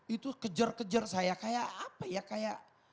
itu kejar kejar saya kayak apa ya kayak